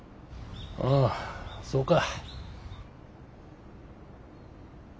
ああそうか。